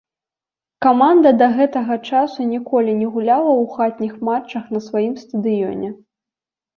Каманда да гэтага часу ніколі не гуляла у хатніх матчах на сваім стадыёне.